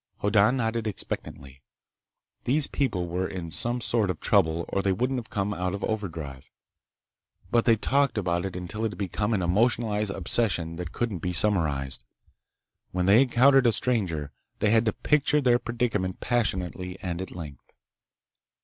Hoddan nodded expectantly. These people were in some sort of trouble or they wouldn't have come out of overdrive. But they'd talked about it until it had become an emotionalized obsession that couldn't be summarized. When they encountered a stranger, they had to picture their predicament passionately and at length.